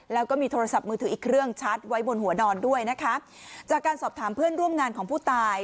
แล้วก็มีโทรศัพท์มือถืออีกเครื่องชัดไว้บนหัวนอนด้วยนะคะจากการสอบถามเพื่อนร่วมงานของผู้ตาย